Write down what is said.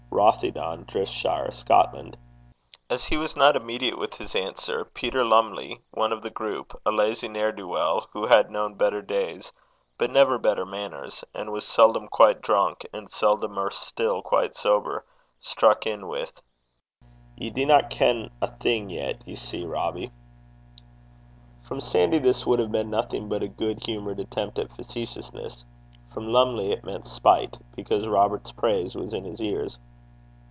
Rothieden, Driftshire, Scotland. As he was not immediate with his answer, Peter Lumley, one of the group, a lazy ne'er do weel, who had known better days, but never better manners, and was seldom quite drunk, and seldomer still quite sober, struck in with, 'Ye dinna ken a' thing yet, ye see, Robbie.' From Sandy this would have been nothing but a good humoured attempt at facetiousness. From Lumley it meant spite, because Robert's praise was in his ears.